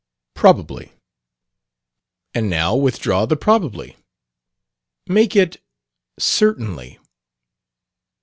Probably." "And now withdraw the 'probably.' Make it 'certainly.'"